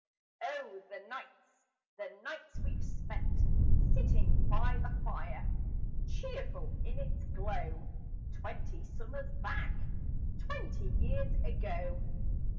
..... Oh, the nights the nights we've spent, Sitting by the fire, Cheerful in its glow; Twenty summers back Twenty years ago!